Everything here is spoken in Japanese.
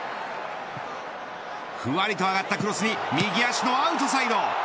ふわりと上がったクロスに右足のアウトサイド。